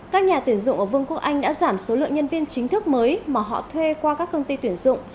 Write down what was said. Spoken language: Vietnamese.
các nhà tuyển dụng ở vương quốc anh đã giảm số lượng nhân viên chính thức mới mà họ thuê qua các công ty tuyển dụng